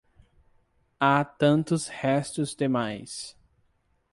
Há tantos restos demais.